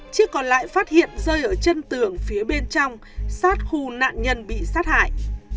chiếc còn lại phát hiện rơi ở chân tường phía bên trong sát khu nạn nhân bị sát hại